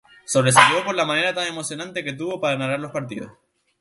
Sobresalió por la manera tan emocionante que tuvo para narrar los partidos.